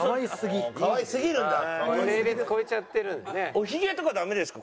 おヒゲとかダメですか？